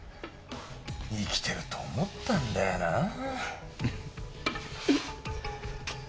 生きてると思ったんだよな。